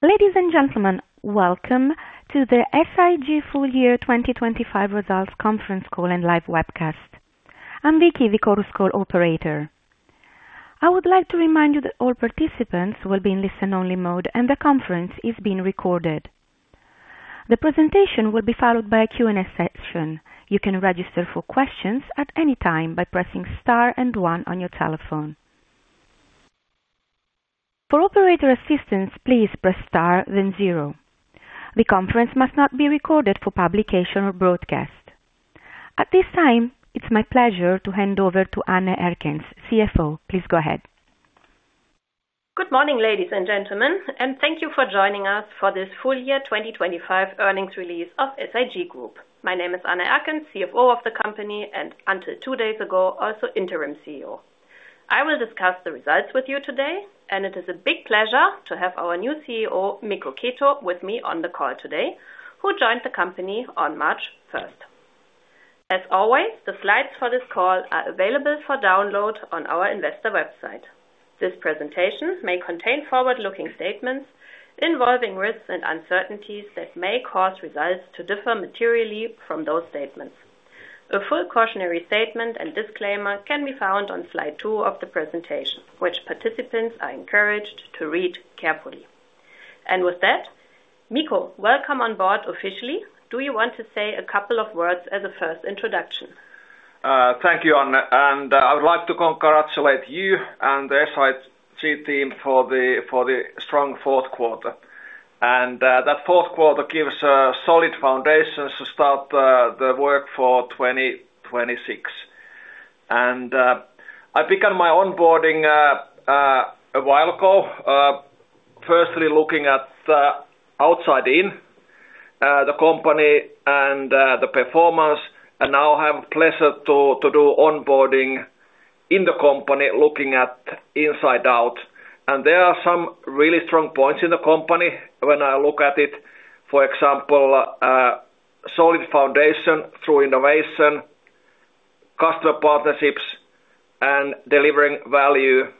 Ladies and gentlemen, welcome to the SIG Full Year 2025 Results Conference Call and Live Webcast. I'm Vicky, the Chorus Call operator. I would like to remind you that all participants will be in listen-only mode and the conference is being recorded. The presentation will be followed by a Q&A session. You can register for questions at any time by pressing star one on your telephone. For operator assistance, please press star, then zero. The conference must not be recorded for publication or broadcast. At this time, it's my pleasure to hand over to Ann-Kristin Erkens, CFO. Please go ahead. Good morning, ladies and gentlemen, and thank you for joining us for this full year 2025 earnings release of SIG Group. My name is Ann Erkens, CFO of the company, and until two days ago, also interim CEO. I will discuss the results with you today, and it is a big pleasure to have our new CEO, Mikko Keto, with me on the call today, who joined the company on March 3rd. As always, the slides for this call are available for download on our investor website. This presentation may contain forward-looking statements involving risks and uncertainties that may cause results to differ materially from those statements. A full cautionary statement and disclaimer can be found on slide 2 of the presentation, which participants are encouraged to read carefully. With that, Mikko, welcome on board officially. Do you want to say a couple of words as a first introduction? Thank you, Ann, I would like to congratulate you and the SIG team for the strong fourth quarter. That fourth quarter gives a solid foundation to start the work for 2026. I began my onboarding a while ago, firstly looking at outside in the company and the performance. Now I have pleasure to do onboarding in the company, looking at inside out. There are some really strong points in the company when I look at it. For example, solid foundation through innovation, customer partnerships and delivering value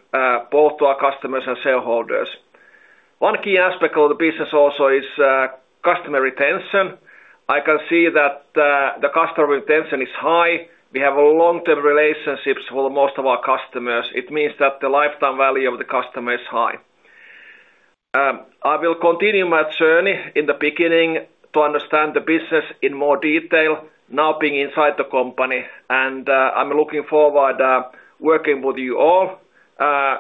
both to our customers and shareholders. One key aspect of the business also is customer retention. I can see that the customer retention is high. We have long-term relationships with most of our customers. It means that the lifetime value of the customer is high. I will continue my journey in the beginning to understand the business in more detail now being inside the company, and I'm looking forward working with you all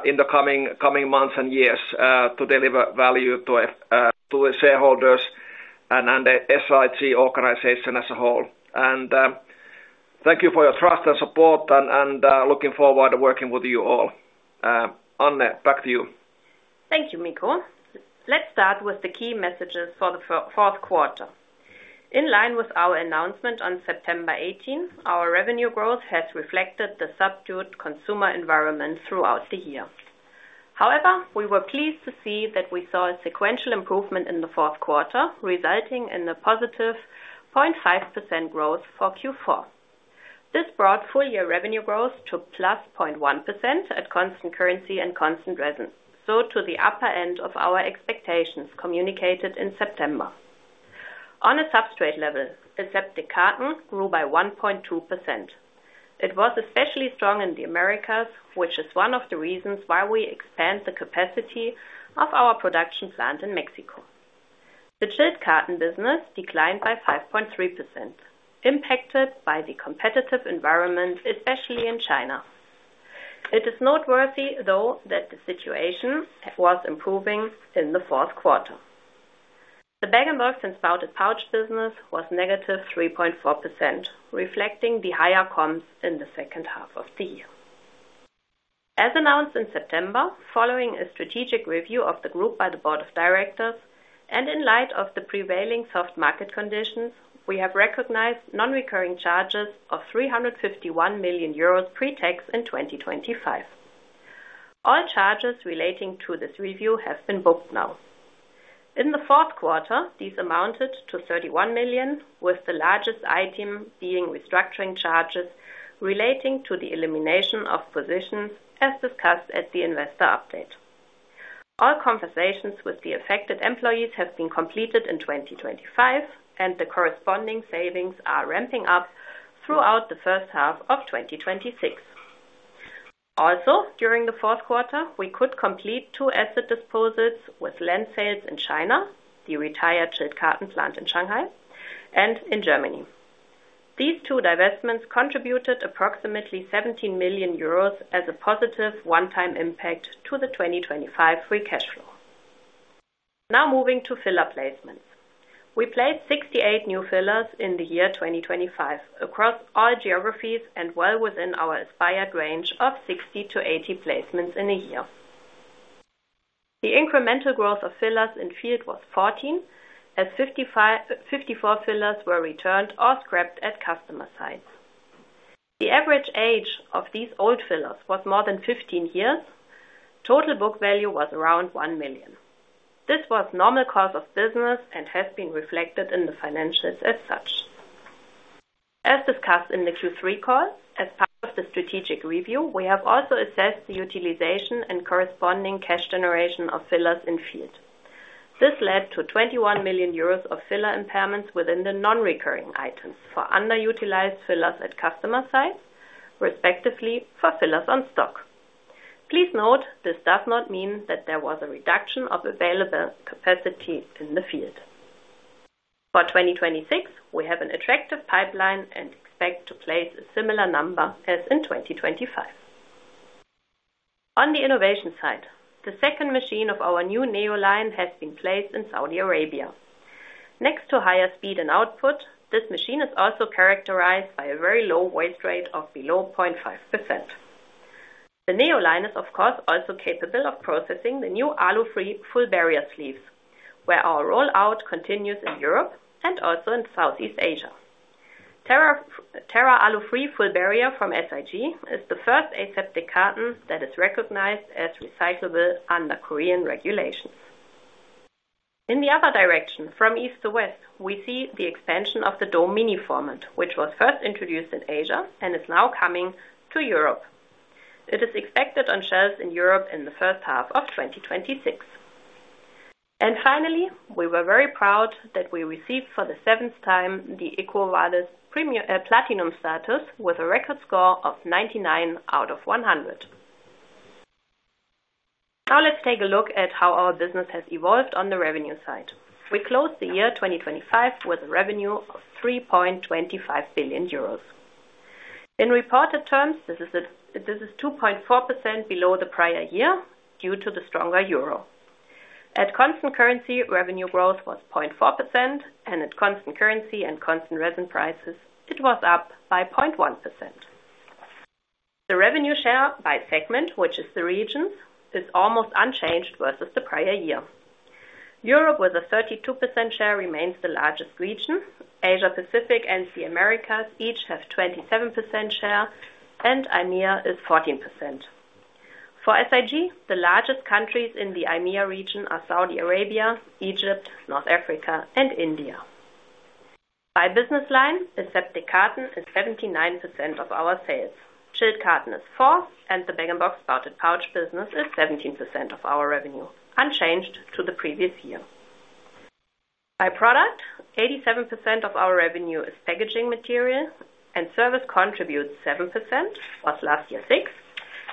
in the coming months and years to deliver value to the shareholders and the SIG organization as a whole. Thank you for your trust and support and looking forward to working with you all. Ann, back to you. Thank you, Mikko. Let's start with the key messages for the fourth quarter. In line with our announcement on September 18th, our revenue growth has reflected the subdued consumer environment throughout the year. We were pleased to see that we saw a sequential improvement in the fourth quarter, resulting in a +0.5% growth for Q4. This brought full year revenue growth to +0.1% at constant currency and constant resin. To the upper end of our expectations communicated in September. On a substrate level, aseptic cartons grew by 1.2%. It was especially strong in the Americas, which is one of the reasons why we expand the capacity of our production plant in Mexico. The chilled cartons business declined by 5.3%, impacted by the competitive environment, especially in China. It is noteworthy, though, that the situation was improving in the fourth quarter. The bag-in-box and spouted pouch business was -3.4%, reflecting the higher comps in the second half of the year. As announced in September, following a strategic review of the group by the board of directors and in light of the prevailing soft market conditions, we have recognized non-recurring charges of 351 million euros pre-tax in 2025. All charges relating to this review have been booked now. In the fourth quarter, these amounted to 31 million, with the largest item being restructuring charges relating to the elimination of positions as discussed at the Investor Update. All conversations with the affected employees have been completed in 2025, and the corresponding savings are ramping up throughout the first half of 2026. During the fourth quarter, we could complete two asset disposals with land sales in China, the retired chilled cartons plant in Shanghai and in Germany. These two divestments contributed approximately 17 million euros as a positive one-time impact to the 2025 free cash flow. Moving to filler placements. We placed 68 new fillers in the year 2025 across all geographies and well within our aspired range of 60-80 placements in a year. The incremental growth of fillers in field was 14, as 54 fillers were returned or scrapped at customer sites. The average age of these old fillers was more than 15 years. Total book value was around 1 million. This was normal course of business and has been reflected in the financials as such. As discussed in the Q3 call, as part of the strategic review, we have also assessed the utilization and corresponding cash generation of fillers in field. This led to 21 million euros of filler impairments within the non-recurring items for underutilized fillers at customer sites, respectively, for fillers on stock. Please note this does not mean that there was a reduction of available capacity in the field. For 2026, we have an attractive pipeline and expect to place a similar number as in 2025. On the innovation side, the second machine of our new Neo line has been placed in Saudi Arabia. Next to higher speed and output, this machine is also characterized by a very low waste rate of below 0.5%. The Neo line is, of course, also capable of processing the new Alu-free full barrier sleeve, where our rollout continues in Europe and also in Southeast Asia. Terra Alu-free + Full barrier from SIG is the first aseptic carton that is recognized as recyclable under Korean regulations. In the other direction, from East to West, we see the expansion of the DomeMini format, which was first introduced in Asia and is now coming to Europe. It is expected on shelves in Europe in the first half of 2026. Finally, we were very proud that we received for the seventh time the EcoVadis platinum status with a record score of 99 out of 100. Let's take a look at how our business has evolved on the revenue side. We closed the year 2025 with a revenue of 3.25 billion euros. In reported terms, this is 2.4% below the prior year due to the stronger euro. At constant currency, revenue growth was 0.4%, and at constant currency and constant resin prices, it was up by 0.1%. The revenue share by segment, which is the regions, is almost unchanged versus the prior year. Europe, with a 32% share, remains the largest region. Asia-Pacific and the Americas each have 27% share, and IMEA is 14%. For SIG, the largest countries in the IMEA region are Saudi Arabia, Egypt, North Africa, and India. By business line, aseptic carton is 79% of our sales. chilled carton is 4%, and the bag-in-box spouted pouch business is 17% of our revenue, unchanged to the previous year. By product, 87% of our revenue is packaging material and service contributes 7%, was last year 6%,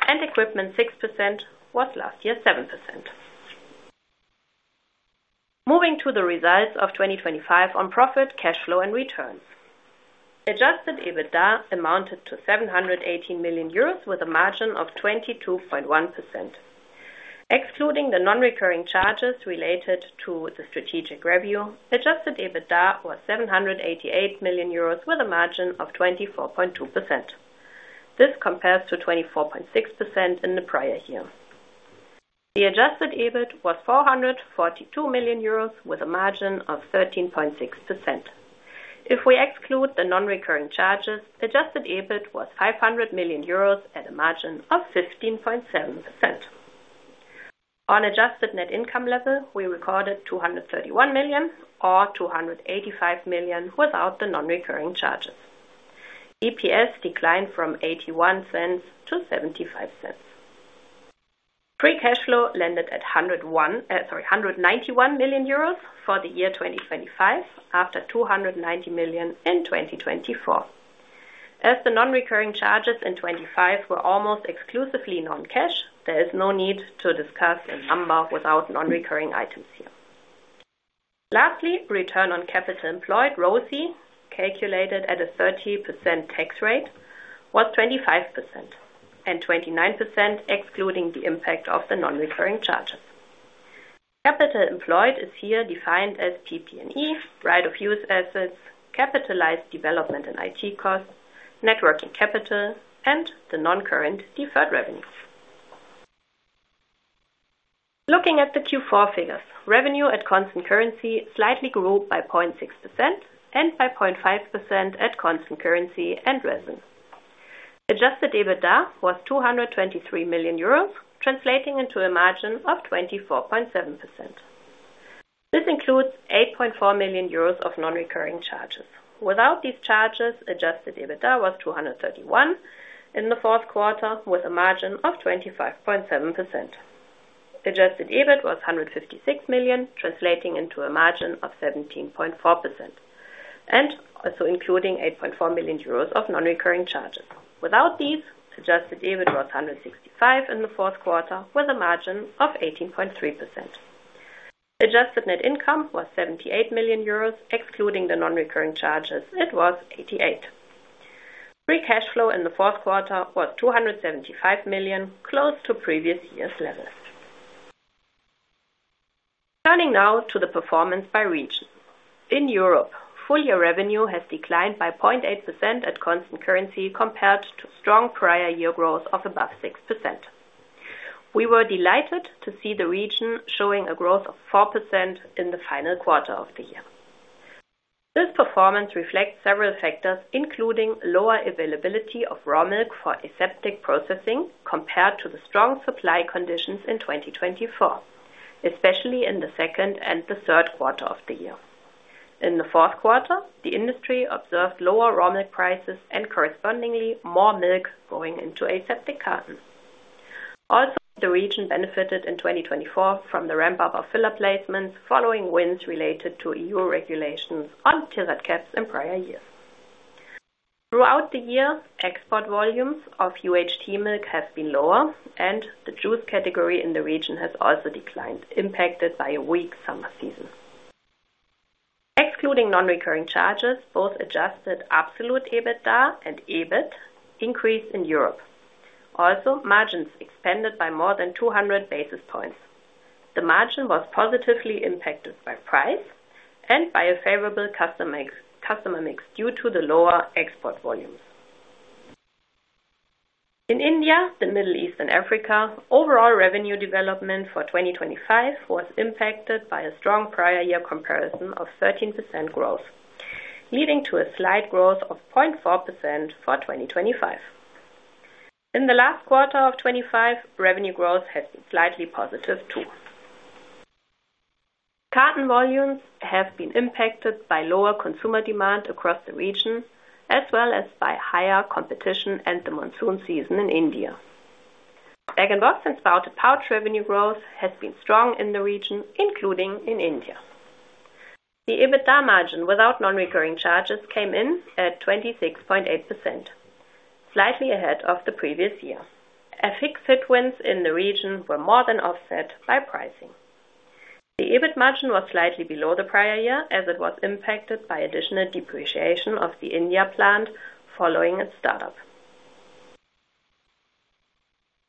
and equipment 6%, was last year 7%. Moving to the results of 2025 on profit, cash flow, and returns. Adjusted EBITDA amounted to 718 million euros with a margin of 22.1%. Excluding the non-recurring charges related to the strategic review, adjusted EBITDA was 788 million euros with a margin of 24.2%. This compares to 24.6% in the prior year. The adjusted EBIT was 442 million euros with a margin of 13.6%. If we exclude the non-recurring charges, adjusted EBIT was 500 million euros at a margin of 15.7%. On adjusted net income level, we recorded 231 million or 285 million without the non-recurring charges. EPS declined from 0.81-0.75. Free cash flow landed at 191 million euros for the year 2025 after 290 million in 2024. As the non-recurring charges in 2025 were almost exclusively non-cash, there is no need to discuss the number without non-recurring items here. Lastly, return on capital employed, ROCE, calculated at a 30% tax rate, was 25% and 29% excluding the impact of the non-recurring charges. Capital employed is here defined as PP&E, right of use assets, capitalized development and IT costs, net working capital, and the non-current deferred revenues. Looking at the Q4 figures, revenue at constant currency slightly grew by 0.6% and by 0.5% at constant currency and constant resin. adjusted EBITDA was 223 million euros, translating into a margin of 24.7%. This includes 8.4 million euros of non-recurring charges. Without these charges, adjusted EBITDA was 231 million in the fourth quarter, with a margin of 25.7%. adjusted EBIT was 156 million, translating into a margin of 17.4%, also including 8.4 million euros of non-recurring charges. Without these, adjusted EBIT was 165 million in the fourth quarter with a margin of 18.3%. Adjusted net income was 78 million euros. Excluding the non-recurring charges, it was 88 million. Free cash flow in the fourth quarter was 275 million, close to previous year's levels. Turning now to the performance by region. In Europe, full-year revenue has declined by 0.8% at constant currency compared to strong prior year growth of above 6%. We were delighted to see the region showing a growth of 4% in the final quarter of the year. This performance reflects several factors, including lower availability of raw milk for aseptic processing compared to the strong supply conditions in 2024. Especially in the second and the third quarter of the year. In the fourth quarter, the industry observed lower raw milk prices and correspondingly more milk going into aseptic carton. The region benefited in 2024 from the ramp up of filler placements following wins related to EU regulations on 2reps in prior years. Throughout the year, export volumes of UHT milk have been lower, and the juice category in the region has also declined, impacted by a weak summer season. Excluding non-recurring charges, both adjusted absolute EBITDA and EBIT increase in Europe. Margins expanded by more than 200 basis points. The margin was positively impacted by price and by a favorable customer mix due to the lower export volumes. In India, the Middle East and Africa, overall revenue development for 2025 was impacted by a strong prior year comparison of 13% growth, leading to a slight growth of 0.4% for 2025. In the last quarter of 2025, revenue growth has been slightly positive too. Carton volumes have been impacted by lower consumer demand across the region, as well as by higher competition and the monsoon season in India. Bag and box and spouted pouch revenue growth has been strong in the region, including in India. The EBITDA margin without non-recurring charges came in at 26.8%, slightly ahead of the previous year. FX headwinds in the region were more than offset by pricing. The EBIT margin was slightly below the prior year as it was impacted by additional depreciation of the India plant following its startup.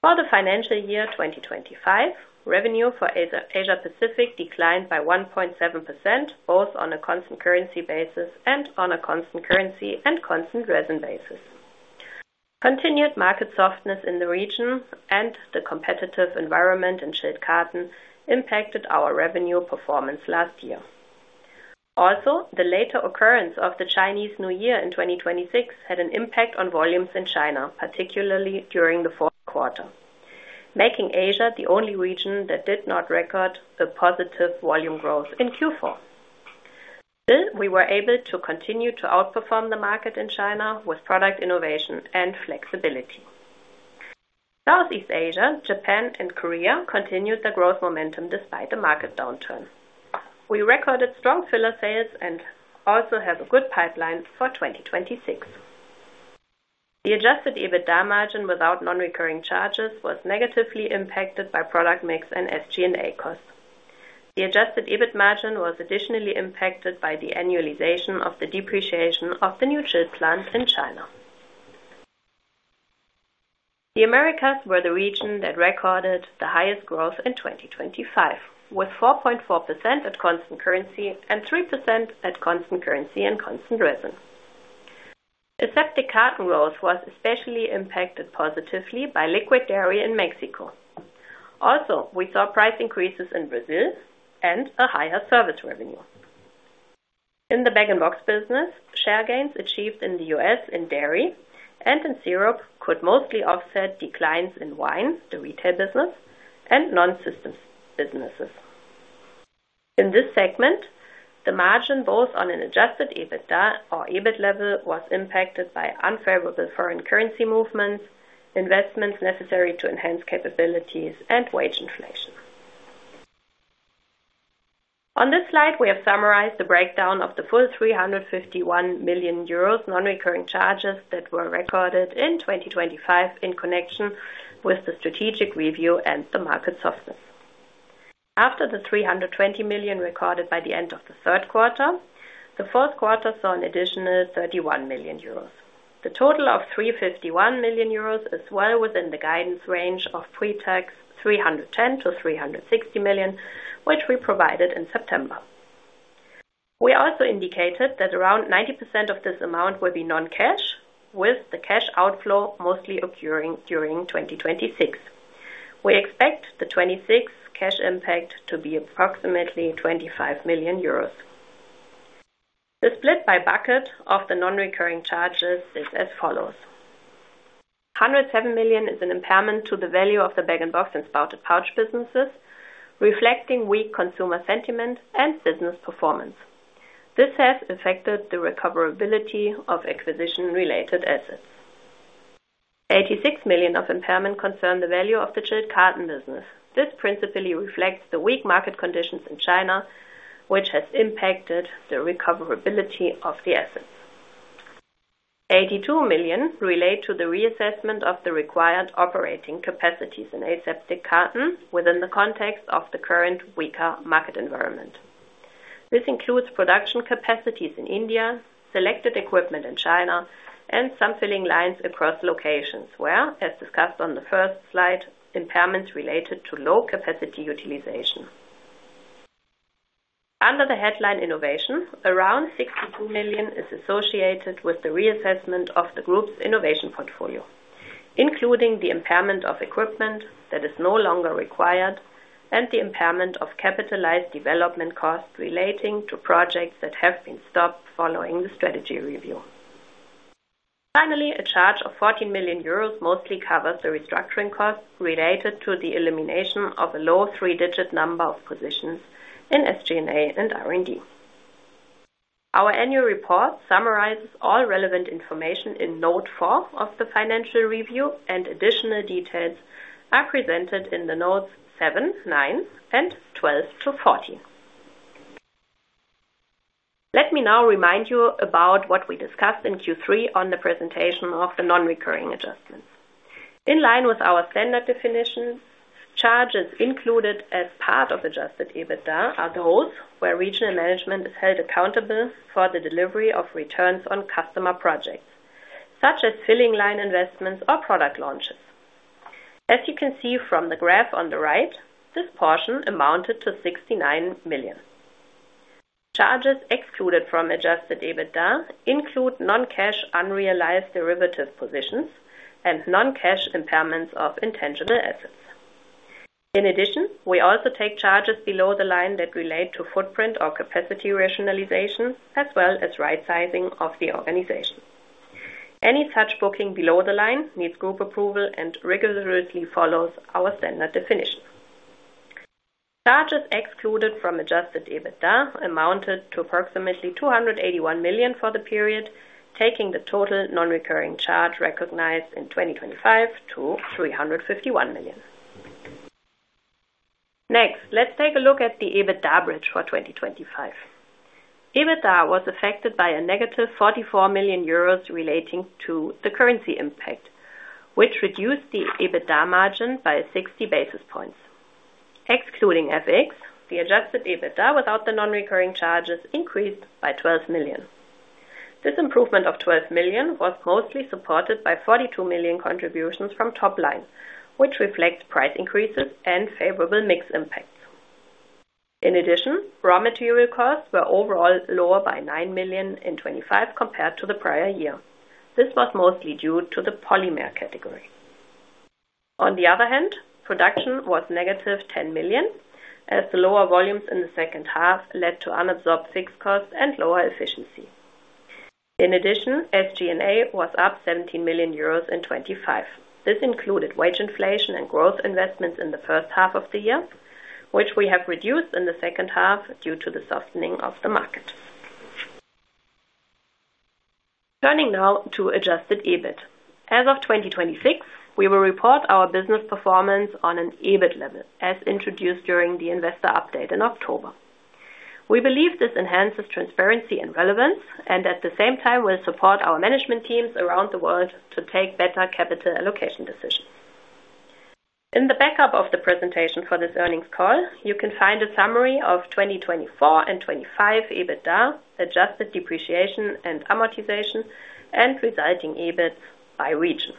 For the financial year 2025, revenue for Asia-Pacific declined by 1.7%, both on a constant currency basis and on a constant currency and constant resin basis. Continued market softness in the region and the competitive environment in chilled carton impacted our revenue performance last year. The later occurrence of the Chinese New Year in 2026 had an impact on volumes in China, particularly during the fourth quarter, making Asia the only region that did not record a positive volume growth in Q4. Still, we were able to continue to outperform the market in China with product innovation and flexibility. Southeast Asia, Japan and Korea continued their growth momentum despite the market downturn. We recorded strong filler sales and also have a good pipeline for 2026. The adjusted EBITDA margin without non-recurring charges was negatively impacted by product mix and SG&A costs. The adjusted EBIT margin was additionally impacted by the annualization of the depreciation of the new chilled plant in China. The Americas were the region that recorded the highest growth in 2025, with 4.4% at constant currency and 3% at constant currency and constant resin. Aseptic carton growth was especially impacted positively by liquid dairy in Mexico. We saw price increases in Brazil and a higher service revenue. In the bag-in-box business, share gains achieved in the U.S. in dairy and in syrup could mostly offset declines in wine, the retail business and non-systems businesses. In this segment, the margin, both on an adjusted EBITDA or EBIT level, was impacted by unfavorable foreign currency movements, investments necessary to enhance capabilities and wage inflation. On this slide, we have summarized the breakdown of the full 351 million euros non-recurring charges that were recorded in 2025 in connection with the strategic review and the market softness. After the 320 million recorded by the end of the third quarter, the fourth quarter saw an additional 31 million euros. The total of 351 million euros is well within the guidance range of pre-tax 310 million-360 million, which we provided in September. We also indicated that around 90% of this amount will be non-cash, with the cash outflow mostly occurring during 2026. We expect the 2026 cash impact to be approximately 25 million euros. The split by bucket of the non-recurring charges is as follows. 107 million is an impairment to the value of the bag-in-box and spouted pouch businesses, reflecting weak consumer sentiment and business performance. This has affected the recoverability of acquisition-related assets. 86 million of impairment concern the value of the chilled carton business. This principally reflects the weak market conditions in China, which has impacted the recoverability of the assets. 82 million relate to the reassessment of the required operating capacities in aseptic carton within the context of the current weaker market environment. This includes production capacities in India, selected equipment in China, and some filling lines across locations where, as discussed on the first slide, impairments related to low capacity utilization. Under the headline Innovation, around 62 million is associated with the reassessment of the group's innovation portfolio, including the impairment of equipment that is no longer required and the impairment of capitalized development costs relating to projects that have been stopped following the strategy review. Finally, a charge of 14 million euros mostly covers the restructuring costs related to the elimination of a low three-digit number of positions in SG&A and R&D. Our annual report summarizes all relevant information in note 4 of the financial review and additional details are presented in the notes 7, 9, 10 and 12-14. Let me now remind you about what we discussed in Q3 on the presentation of the non-recurring adjustments. In line with our standard definition, charges included as part of adjusted EBITDA are those where regional management is held accountable for the delivery of returns on customer projects, such as filling line investments or product launches. As you can see from the graph on the right, this portion amounted to 69 million. Charges excluded from adjusted EBITDA include non-cash unrealized derivative positions and non-cash impairments of intangible assets. In addition, we also take charges below the line that relate to footprint or capacity rationalization as well as rightsizing of the organization. Any such booking below the line needs group approval and rigorously follows our standard definition. Charges excluded from adjusted EBITDA amounted to approximately 281 million for the period, taking the total non-recurring charge recognized in 2025 to 351 million. Next, let's take a look at the EBITDA bridge for 2025. EBITDA was affected by a -44 million euros relating to the currency impact, which reduced the EBITDA margin by 60 basis points. Excluding FX, the adjusted EBITDA without the non-recurring charges increased by 12 million. This improvement of 12 million was mostly supported by 42 million contributions from top line, which reflects price increases and favorable mix impacts. In addition, raw material costs were overall lower by 9 million in 2025 compared to the prior year. This was mostly due to the polymer category. On the other hand, production was -10 million, as the lower volumes in the second half led to unabsorbed fixed costs and lower efficiency. In addition, SG&A was up 17 million euros in 2025. This included wage inflation and growth investments in the first half of the year, which we have reduced in the second half due to the softening of the market. Turning now to adjusted EBIT. As of 2026, we will report our business performance on an EBIT level, as introduced during the Investor Update in October. We believe this enhances transparency and relevance and at the same time will support our management teams around the world to take better capital allocation decisions. In the backup of the presentation for this earnings call, you can find a summary of 2024 and 2025 EBITDA, adjusted depreciation and amortization and resulting EBIT by region.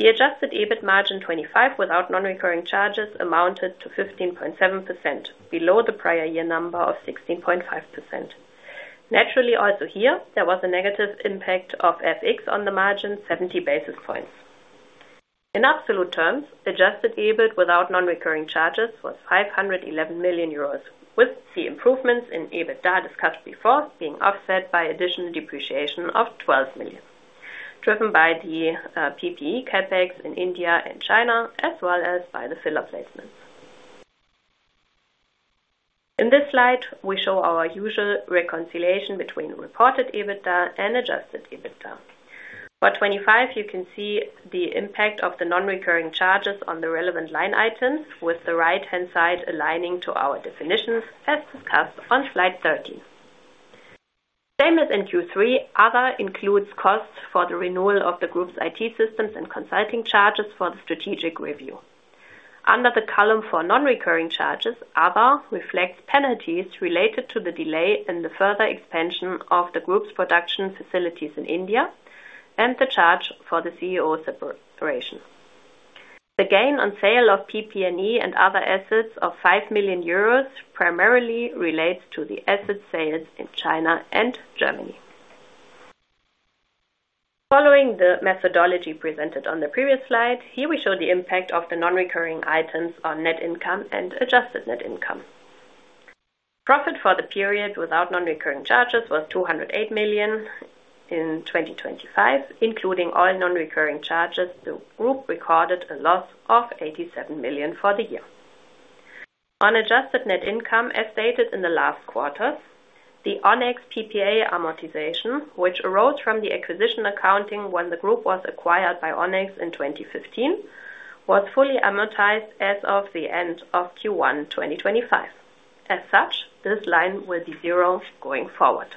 The adjusted EBIT margin 25 without non-recurring charges amounted to 15.7%, below the prior year number of 16.5%. Naturally, also here, there was a negative impact of FX on the margin, 70 basis points. In absolute terms, adjusted EBIT without non-recurring charges was 511 million euros, with the improvements in EBITDA discussed before being offset by additional depreciation of 12 million, driven by the PP&E CapEx in India and China as well as by the filler placements. In this slide, we show our usual reconciliation between reported EBITDA and adjusted EBITDA. For 2025, you can see the impact of the non-recurring charges on the relevant line items with the right-hand side aligning to our definitions as discussed on slide 13. Same as in Q3, other includes costs for the renewal of the group's IT systems and consulting charges for the strategic review. Under the column for non-recurring charges, other reflects penalties related to the delay in the further expansion of the group's production facilities in India and the charge for the CEO separation. The gain on sale of PP&E and other assets of 5 million euros primarily relates to the asset sales in China and Germany. Following the methodology presented on the previous slide, here we show the impact of the non-recurring items on net income and adjusted net income. Profit for the period without non-recurring charges was 208 million in 2025, including all non-recurring charges, the group recorded a loss of 87 million for the year. On adjusted net income, as stated in the last quarters, the Onex PPA amortization, which arose from the acquisition accounting when the group was acquired by Onex in 2015, was fully amortized as of the end of Q1 2025. As such, this line will be zero going forward.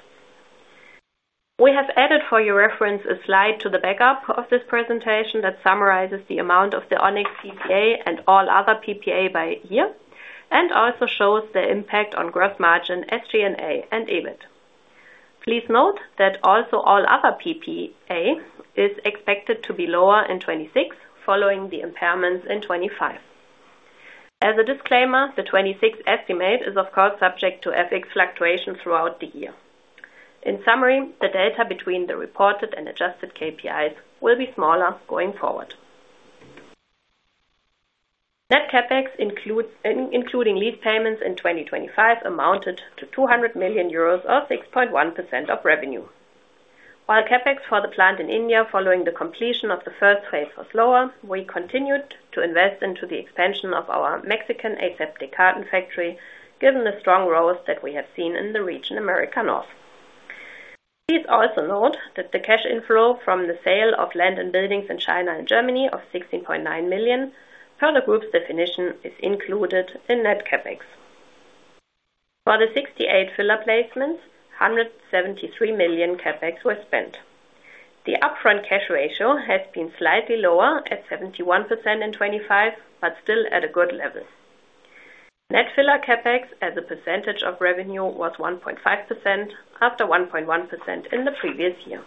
We have added for your reference a slide to the backup of this presentation that summarizes the amount of the Onex PPA and all other PPA by year and also shows the impact on gross margin, SG&A and EBIT. Please note that also all other PPA is expected to be lower in 2026 following the impairments in 2025. As a disclaimer, the 2026 estimate is of course subject to FX fluctuation throughout the year. In summary, the data between the reported and adjusted KPIs will be smaller going forward. Net CapEx including lease payments in 2025 amounted to 200 million euros or 6.1% of revenue. While CapEx for the plant in India following the completion of the first phase was lower, we continued to invest into the expansion of our Mexican aseptic carton factory, given the strong growth that we have seen in the region of North America. Please also note that the cash inflow from the sale of land and buildings in China and Germany of 16.9 million per the group's definition is included in net CapEx. For the 68 filler placements, 173 million CapEx was spent. The upfront cash ratio has been slightly lower at 71% in 2025, but still at a good level. Net filler CapEx as a percentage of revenue was 1.5% after 1.1% in the previous year.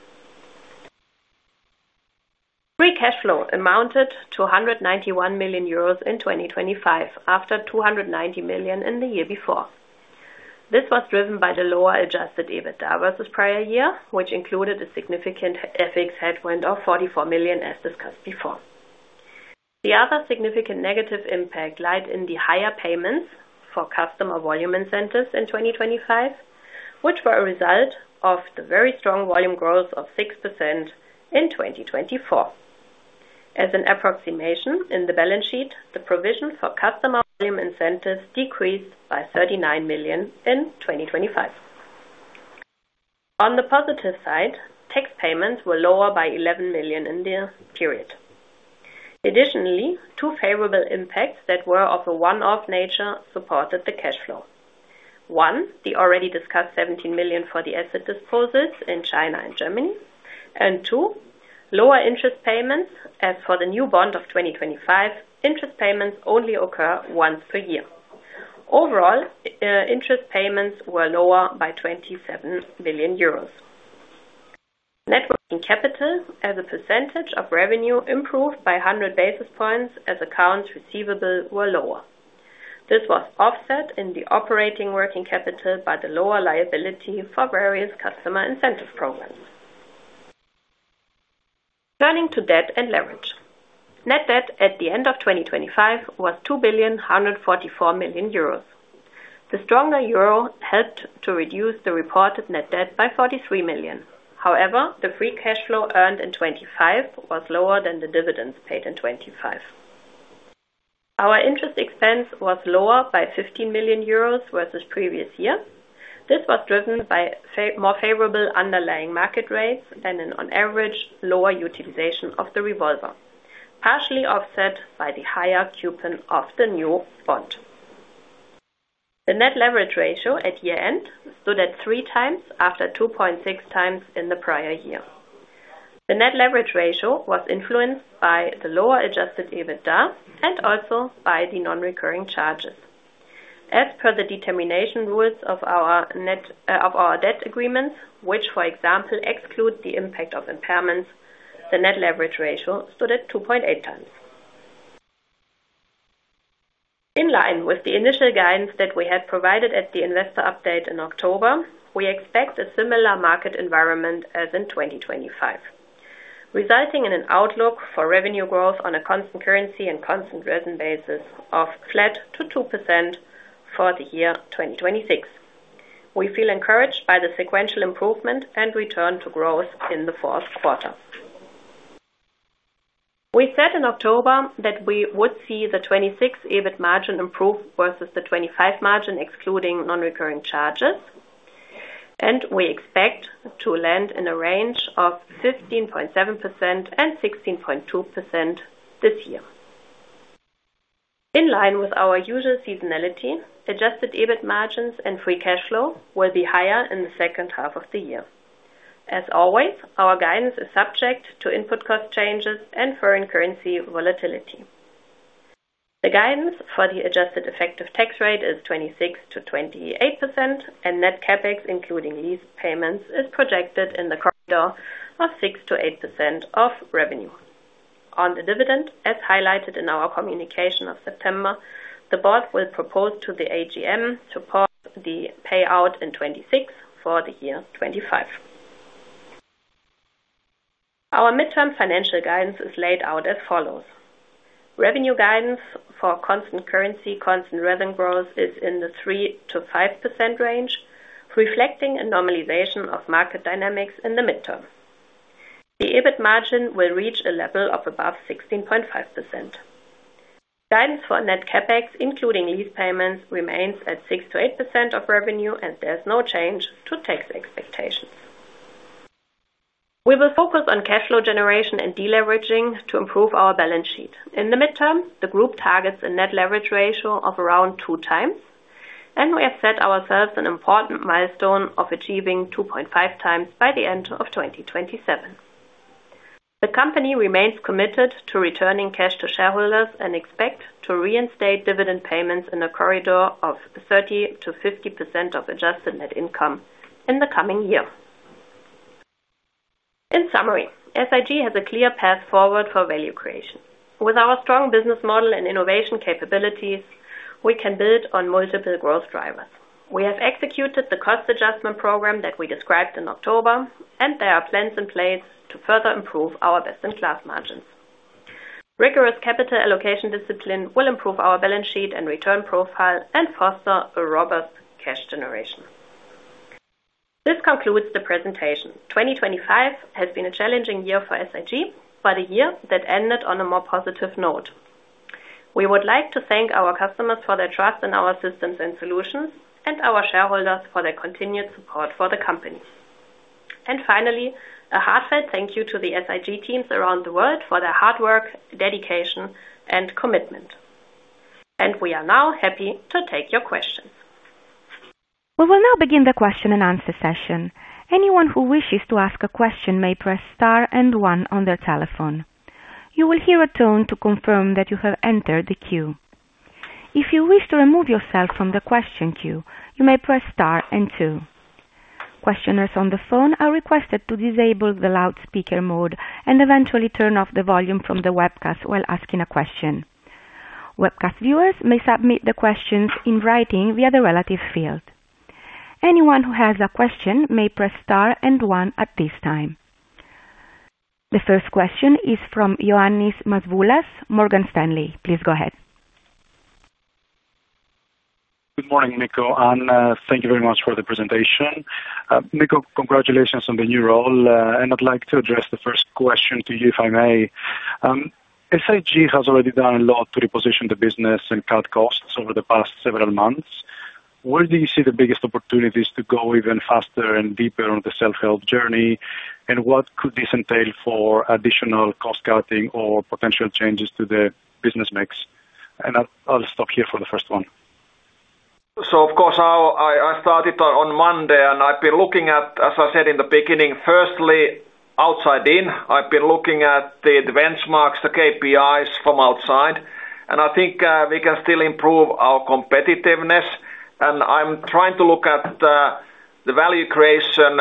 Free cash flow amounted to 191 million euros in 2025 after 290 million in the year before. This was driven by the lower adjusted EBITDA versus prior year, which included a significant FX headwind of 44 million as discussed before. The other significant negative impact lied in the higher payments for customer volume incentives in 2025, which were a result of the very strong volume growth of 6% in 2024. As an approximation in the balance sheet, the provision for customer volume incentives decreased by 39 million in 2025. On the positive side, tax payments were lower by 11 million in the period. Two favorable impacts that were of a one-off nature supported the cash flow. One, the already discussed 17 million for the asset disposals in China and Germany. Two, lower interest payments. As for the new bond of 2025, interest payments only occur once per year. Overall, interest payments were lower by 27 billion euros. Net working capital as a percentage of revenue improved by 100 basis points as accounts receivable were lower. This was offset in the operating working capital by the lower liability for various customer incentive programs. Turning to debt and leverage. Net debt at the end of 2025 was 2,144 million euros. The stronger euro helped to reduce the reported net debt by 43 million. However, the free cash flow earned in 2025 was lower than the dividends paid in 2025. Our interest expense was lower by 15 million euros versus previous year. This was driven by more favorable underlying market rates and an on average lower utilization of the revolver, partially offset by the higher coupon of the new bond. The net leverage ratio at year-end stood at 3 times after 2.6 times in the prior year. The net leverage ratio was influenced by the lower adjusted EBITDA and also by the non-recurring charges. As per the determination rules of our debt agreements, which for example exclude the impact of impairments, the net leverage ratio stood at 2.8 times. In line with the initial guidance that we had provided at the Investor Update in October, we expect a similar market environment as in 2025, resulting in an outlook for revenue growth on a constant currency and constant resin basis of flat to 2% for the year 2026. We feel encouraged by the sequential improvement and return to growth in the fourth quarter. We said in October that we would see the 2026 EBIT margin improve versus the 2025 margin excluding non-recurring charges, and we expect to land in a range of 15.7%-16.2% this year. In line with our usual seasonality, adjusted EBIT margins and free cash flow will be higher in the second half of the year. As always, our guidance is subject to input cost changes and foreign currency volatility. The guidance for the adjusted effective tax rate is 26%-28%, and net CapEx, including lease payments, is projected in the corridor of 6%-8% of revenue. On the dividend, as highlighted in our communication of September, the board will propose to the AGM to pause the payout in 2026 for the year 2025. Our midterm financial guidance is laid out as follows: Revenue guidance for constant currency, constant resin growth is in the 3%-5% range, reflecting a normalization of market dynamics in the midterm. The adjusted EBIT margin will reach a level of above 16.5%. Guidance for net CapEx, including lease payments, remains at 6-8% of revenue, and there's no change to tax expectations. We will focus on cash flow generation and deleveraging to improve our balance sheet. In the midterm, the group targets a net leverage ratio of around 2 times, and we have set ourselves an important milestone of achieving 2.5 times by the end of 2027. The company remains committed to returning cash to shareholders and expect to reinstate dividend payments in a corridor of 30-50% of adjusted net income in the coming year. In summary, SIG has a clear path forward for value creation. With our strong business model and innovation capabilities. We can build on multiple growth drivers. We have executed the cost adjustment program that we described in October, and there are plans in place to further improve our best in class margins. Rigorous capital allocation discipline will improve our balance sheet and return profile and foster a robust cash generation. This concludes the presentation. 2025 has been a challenging year for SIG, but a year that ended on a more positive note. We would like to thank our customers for their trust in our systems and solutions, and our shareholders for their continued support for the company. Finally, a heartfelt thank you to the SIG teams around the world for their hard work, dedication and commitment. We are now happy to take your questions. We will now begin the question-and-answer session. Anyone who wishes to ask a question may press star and one on their telephone. You will hear a tone to confirm that you have entered the queue. If you wish to remove yourself from the question queue, you may press star and two. Questioners on the phone are requested to disable the loudspeaker mode and eventually turn off the volume from the webcast while asking a question. Webcast viewers may submit the questions in writing via the relative field. Anyone who has a question may press star and one at this time. The first question is from Ioannis Masvoulas, Morgan Stanley. Please go ahead. Good morning, Mikko, thank you very much for the presentation. Mikko, congratulations on the new role. I'd like to address the first question to you, if I may. SIG has already done a lot to reposition the business and cut costs over the past several months. Where do you see the biggest opportunities to go even faster and deeper on the self-help journey? What could this entail for additional cost cutting or potential changes to the business mix? I'll stop here for the first one. Of course, I started on Monday, and I've been looking at, as I said in the beginning, firstly outside in. I've been looking at the benchmarks, the KPIs from outside, and I think we can still improve our competitiveness. I'm trying to look at the value creation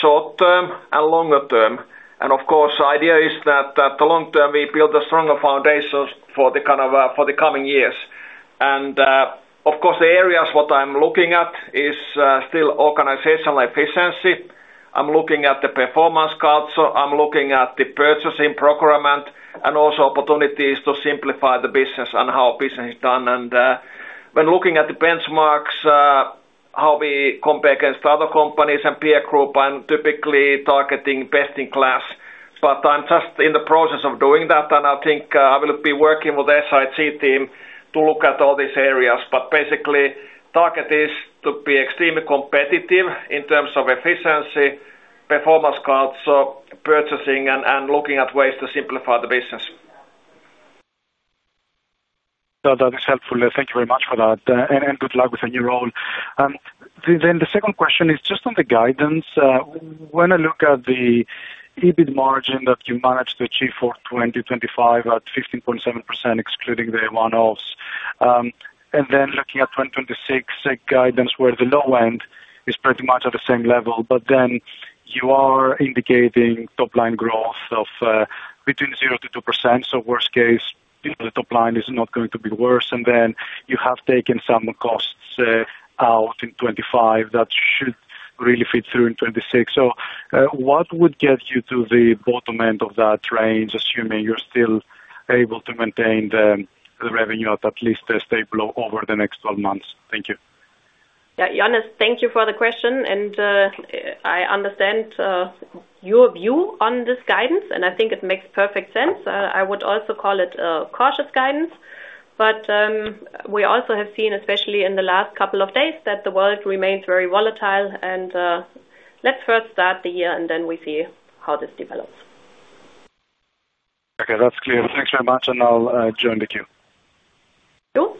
short-term and longer term. Of course, the idea is that the long term we build a stronger foundations for the kind of for the coming years. Of course, the areas what I'm looking at is still organizational efficiency. I'm looking at the performance culture. I'm looking at the purchasing procurement and also opportunities to simplify the business and how business is done. When looking at the benchmarks, how we compare against other companies and peer group, I'm typically targeting best in class. I'm just in the process of doing that, and I think I will be working with SIG team to look at all these areas. Basically target is to be extremely competitive in terms of efficiency, performance culture, purchasing and looking at ways to simplify the business. That is helpful. Thank you very much for that, and good luck with your new role. The second question is just on the guidance. When I look at the EBIT margin that you managed to achieve for 2025 at 15.7% excluding the one-offs, looking at 2026 guidance where the low end is pretty much at the same level, you are indicating top line growth of between 0%-2%. Worst case, you know, the top line is not going to be worse. You have taken some costs out in 2025 that should really feed through in 2026. What would get you to the bottom end of that range, assuming you're still able to maintain the revenue at least stable over the next 12 months? Thank you. Yeah. Ioannis, thank you for the question. I understand your view on this guidance, and I think it makes perfect sense. I would also call it a cautious guidance, but we also have seen, especially in the last couple of days, that the world remains very volatile. Let's first start the year, and then we see how this develops. Okay, that's clear. Thanks very much, and I'll join the queue. Sure.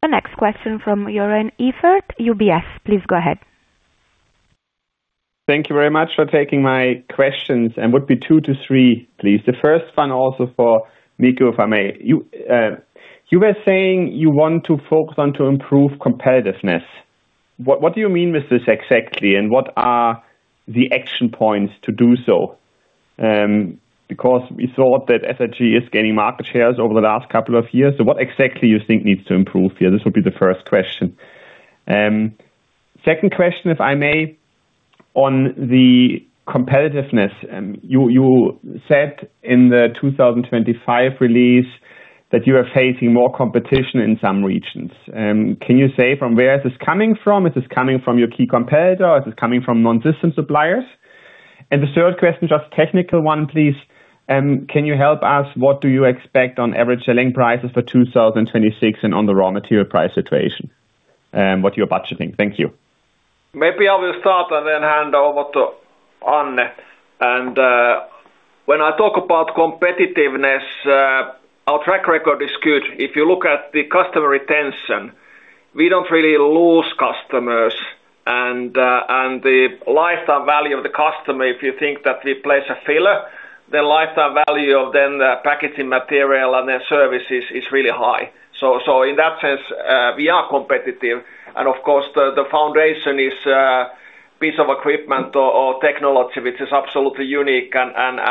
The next question from Joern Iffert, UBS. Please go ahead. Thank you very much for taking my questions. Would be 2-3, please. The first one also for Mikko, if I may. You were saying you want to focus on to improve competitiveness. What do you mean with this exactly and what are the action points to do so? Because we thought that SIG is gaining market shares over the last couple of years. What exactly you think needs to improve here? This would be the first question. Second question, if I may, on the competitiveness. You said in the 2025 release that you are facing more competition in some regions. Can you say from where this coming from? Is this coming from your key competitor? Is it coming from non-system suppliers? The third question, just technical one, please. Can you help us, what do you expect on average selling prices for 2026 and on the raw material price situation, what you're budgeting? Thank you. Maybe I will start and then hand over to Ann. When I talk about competitiveness, our track record is good. If you look at the customer retention, we don't really lose customers. The lifetime value of the customer, if you think that we place a filler, the lifetime value of then the packaging material and their services is really high. In that sense, we are competitive. Of course, the foundation is Piece of equipment or technology which is absolutely unique and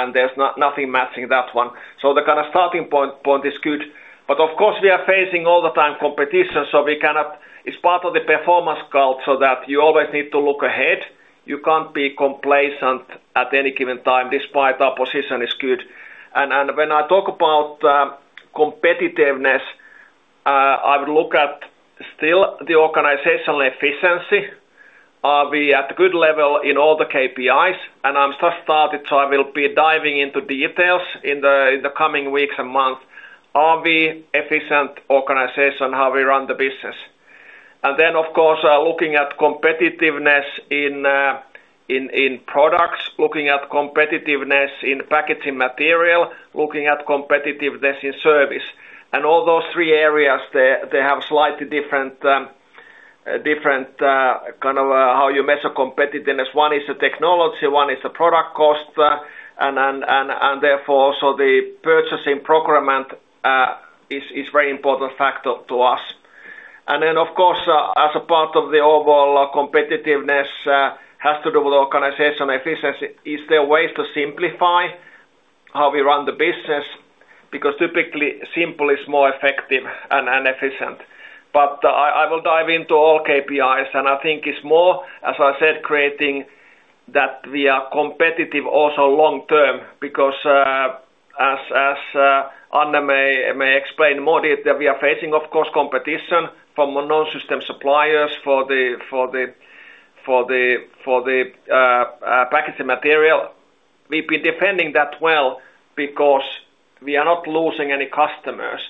nothing matching that one. The kinda starting point is good. Of course, we are facing all the time competition, so we cannot. It's part of the performance culture that you always need to look ahead. You can't be complacent at any given time, despite our position is good. When I talk about competitiveness, I would look at still the organizational efficiency. Are we at good level in all the KPIs? I'm just started, so I will be diving into details in the coming weeks and months. Are we efficient organization, how we run the business? Of course, looking at competitiveness in products, looking at competitiveness in packaging material, looking at competitiveness in service. All those three areas have slightly different kind of how you measure competitiveness. One is the technology, one is the product cost, and therefore also the purchasing procurement is very important factor to us. Of course, as a part of the overall competitiveness, has to do with organization efficiency. Is there ways to simplify how we run the business? Typically, simple is more effective and efficient. I will dive into all KPIs, and I think it's more, as I said, creating that we are competitive also long term. As Ann may explain more detail, we are facing of course competition from non-system suppliers for the packaging material. We've been defending that well because we are not losing any customers.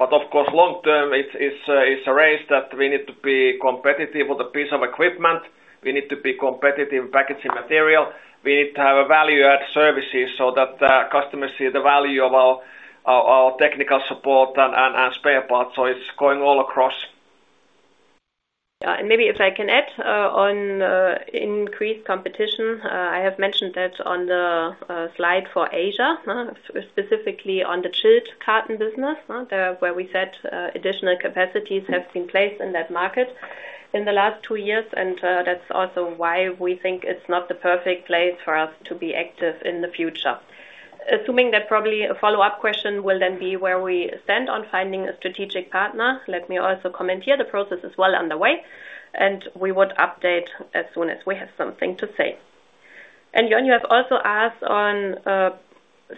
Of course, long term, it's a race that we need to be competitive with a piece of equipment. We need to be competitive in packaging material. We need to have a value-add services so that customers see the value of our technical support and spare parts, so it's going all across. Yeah. Maybe if I can add on increased competition, I have mentioned that on the slide for Asia. Specifically on the chilled carton business. Where we said additional capacities have been placed in that market in the last two years, and that's also why we think it's not the perfect place for us to be active in the future. Assuming that probably a follow-up question will then be where we stand on finding a strategic partner, let me also comment here. The process is well underway, and we would update as soon as we have something to say. John, you have also asked on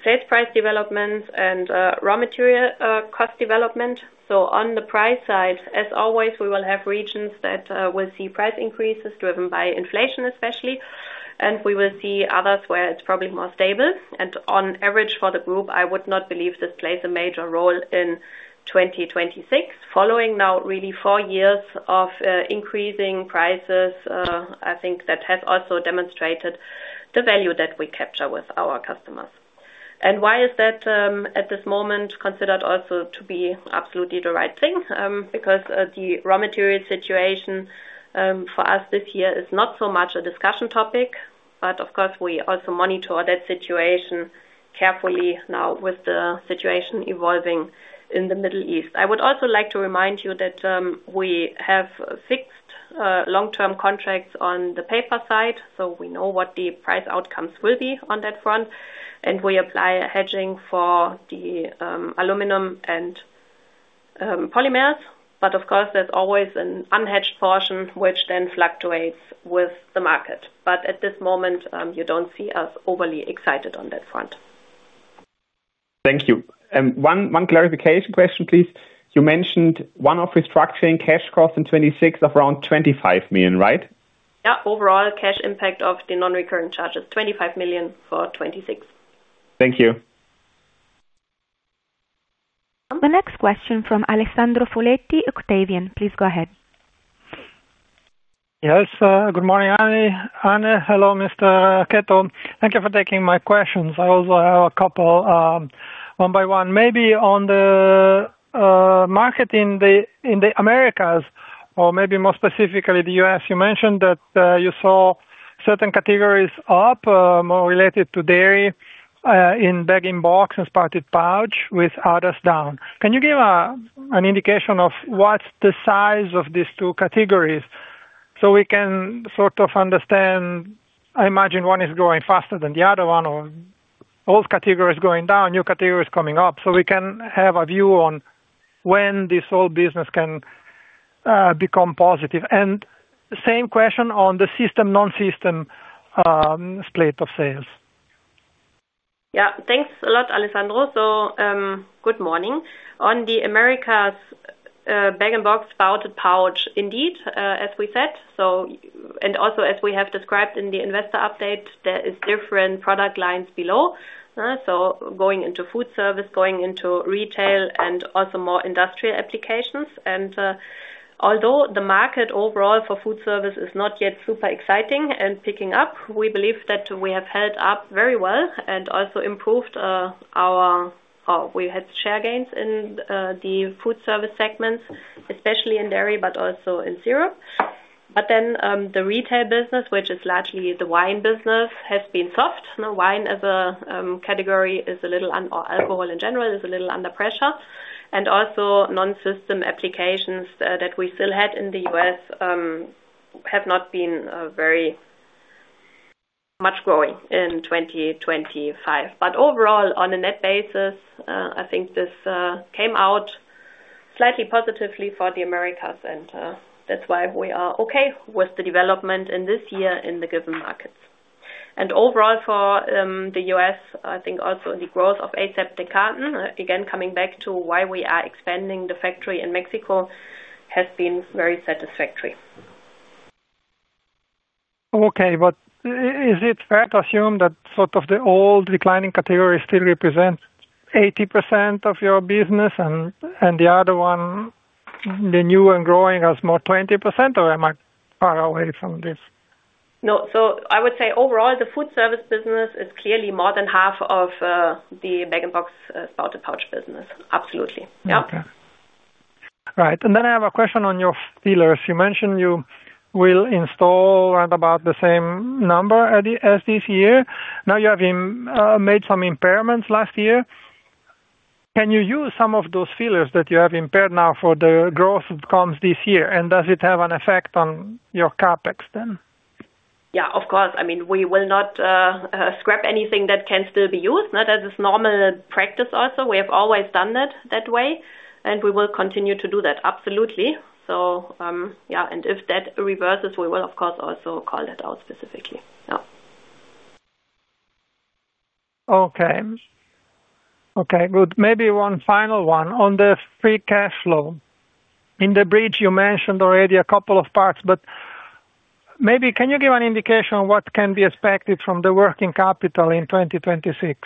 sales price developments and raw material cost development. On the price side, as always, we will have regions that will see price increases driven by inflation, especially, and we will see others where it's probably more stable. On average for the group, I would not believe this plays a major role in 2026. Following now really four years of increasing prices, I think that has also demonstrated the value that we capture with our customers. Why is that, at this moment considered also to be absolutely the right thing? Because the raw material situation for us this year is not so much a discussion topic. Of course, we also monitor that situation carefully now with the situation evolving in the Middle East. I would also like to remind you that, we have fixed long-term contracts on the paper side, so we know what the price outcomes will be on that front. We apply a hedging for the aluminum and polymers. Of course, there's always an unhedged portion which then fluctuates with the market. At this moment, you don't see us overly excited on that front. Thank you. One clarification question, please. You mentioned one-off restructuring cash cost in 2026 of around 25 million, right? Yeah. Overall cash impact of the non-recurrent charge is 25 million for 2026. Thank you. The next question from Alessandro Foletti, Octavian. Please go ahead. Yes. Good morning, Ann, hello, Mr. Keto. Thank you for taking my questions. I also have a couple, one by one. Maybe on the market in the Americas, or maybe more specifically the U.S., you mentioned that you saw certain categories up, more related to dairy, in bag-in-box and spouted pouch with others down. Can you give an indication of what's the size of these two categories so we can sort of understand? I imagine one is growing faster than the other one or old category is going down, new category is coming up, so we can have a view on when this whole business can become positive. Same question on the system, non-system split of sales. Thanks a lot, Alessandro. Good morning. On the Americas, bag-in-box, spouted pouch, indeed, as we said. Also as we have described in the Investor Update, there is different product lines below. Going into foodservice, going into retail, and also more industrial applications. Although the market overall for foodservice is not yet super exciting and picking up, we believe that we have held up very well and also improved. We had share gains in the foodservice segments, especially in dairy, but also in syrup. The retail business, which is largely the wine business, has been soft. Wine as a category is a little or alcohol in general is a little under pressure. Also non-system applications that we still had in the U.S. have been very much growing in 2025. Overall, on a net basis, I think this came out slightly positively for the Americas. That's why we are okay with the development in this year in the given markets. Overall for the U.S., I think also the growth of ASAP decarton, again, coming back to why we are expanding the factory in Mexico has been very satisfactory. Okay. Is it fair to assume that sort of the old declining category still represents 80% of your business and the other one, the new and growing, as more 20%, or am I far away from this? No. I would say overall, the food service business is clearly more than half of the bag and box, spouted pouch business. Absolutely. Okay. Right. I have a question on your dealers. You mentioned you will install right about the same number as this year. Now, you have made some impairments last year. Can you use some of those dealers that you have impaired now for the growth that comes this year? Does it have an effect on your CapEx then? Yeah, of course. I mean, we will not scrap anything that can still be used. Now, that is normal practice also. We have always done it that way, and we will continue to do that. Absolutely. Yeah, if that reverses, we will of course also call it out specifically. Yeah. Okay, good. Maybe a final one on the free cash flow. In the bridge, you mentioned already a couple of parts, but maybe can you give an indication on what can be expected from the working capital in 2026?